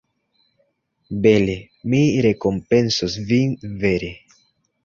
Bele mi rekompencos vin, vere!